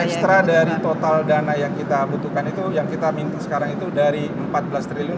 ekstra dari total dana yang kita butuhkan itu yang kita minta sekarang itu dari empat belas triliun